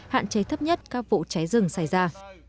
hạn chế thấp nhất các vụ cháy rừng xảy ra